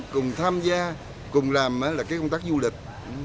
cùng tham gia cùng làm công tác du lịch